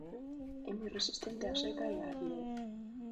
É moi resistente á seca e á aridez.